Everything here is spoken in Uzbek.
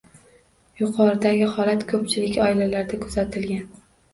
Yo`qoridagi holat ko`pchilik oilalarda kuzatilgan